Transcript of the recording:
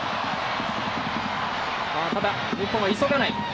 日本は急がない。